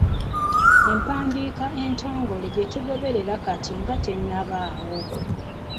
Empandiika entongole gye tugoberera kati nga tennabaawo.